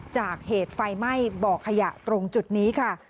จากเหตุไฟไหม้บ่อขยะตรงจุดนี้ค่ะ